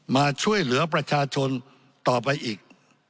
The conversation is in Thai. มาช่วยเหลือประชาชนต่อไปอีก